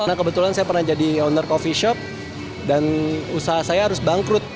nah kebetulan saya pernah jadi owner coffee shop dan usaha saya harus bangkrut